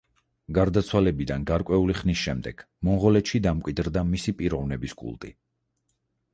გარდაცვალებიდან გარკვეული ხნის შემდეგ მონღოლეთში დამკვიდრდა მისი პიროვნების კულტი.